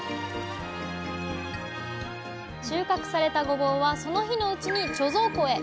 収穫されたごぼうはその日のうちに貯蔵庫へ。